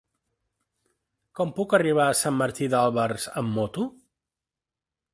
Com puc arribar a Sant Martí d'Albars amb moto?